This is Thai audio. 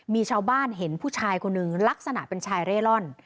มีชาวบ้านเห็นผู้ชายคนหนึ่งลักษณะเป็นชายเร่ร่อน